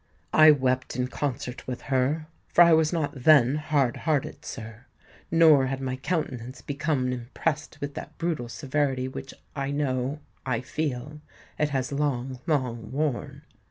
I wept in concert with her;—for I was not then hard hearted, sir,—nor had my countenance become impressed with that brutal severity which I know—I feel, it has long, long worn."